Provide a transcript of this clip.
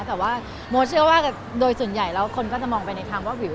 แต่ว่าโมเชื่อว่าโดยส่วนใหญ่แล้วคนก็จะมองไปในทางว่าวิว